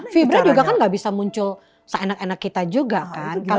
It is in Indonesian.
fibra juga kan gak bisa muncul seenak enak kita juga kan